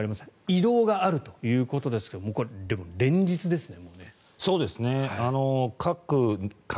移動があるということですけどもでも連日ですね。